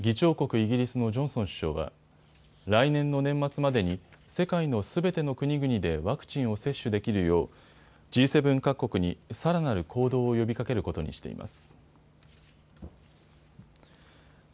イギリスのジョンソン首相は来年の年末までに世界のすべての国々でワクチンを接種できるようＧ７各国にさらなる行動を呼びかけることにしています。